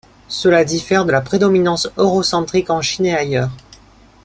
Cela diffère de la prédominance eurocentrique en Chine, et ailleurs.